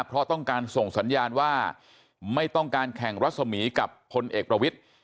เพราะต้องการส่งสัญญาณว่าไม่ต้องการแข่งรัศมีร์กับพลเอกประวิทธิ์